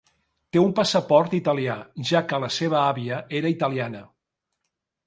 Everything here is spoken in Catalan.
Té un passaport italià, ja que la seva àvia era italiana.